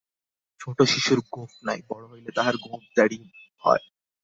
ছোট শিশুর গোঁফ নাই, বড় হইলে তাহার গোঁফ-দাড়ি হয়।